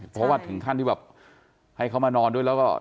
เพราะว่าถึงขั้นที่แบบให้เขามานอนด้วยแล้วก็